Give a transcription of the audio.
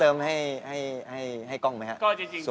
ก็ต้องไปทำให้มันแข็งแกร่งขึ้นกว่าเดิมครับ